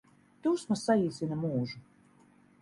Dusmas saīsina mūžu